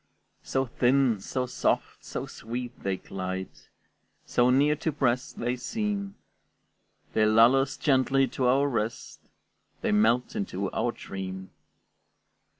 So thin, so soft, so sweet, they glide, So near to press they seem, They lull us gently to our rest, They melt into our dream.